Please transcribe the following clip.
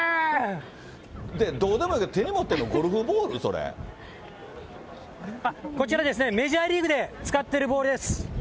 どうでもええけど、手に持ってるの、ゴルフボール、こちらですね、メジャーリーグで使ってるボールです。